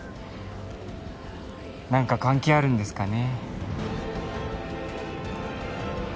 なんか関係あるんですかね？